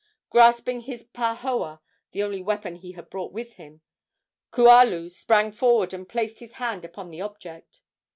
Grasping his pahoa the only weapon he had brought with him Kualu sprang forward and placed his hand upon the object.